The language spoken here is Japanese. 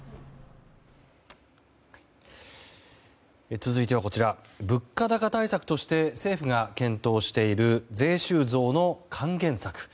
続いては、こちら物価高対策として政府が検討している税収増の還元策。